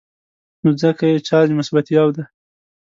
نو ځکه یې چارج مثبت یو دی.